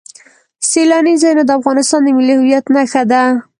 سیلاني ځایونه د افغانستان د ملي هویت نښه ده.